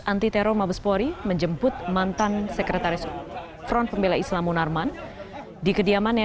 anti teror mabespori menjemput mantan sekretaris front pembela islam munarman di kediamannya